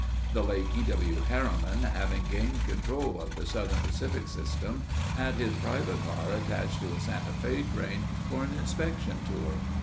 The late E. W. Harriman, having gained control of the Southern Pacific system had his private car attached to a Santa Fe train for an inspection tour.